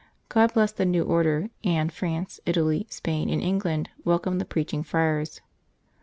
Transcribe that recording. God blessed the new Order, and France, Italy, Spain, and England welcomed the Preaching Friars.